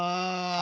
あ。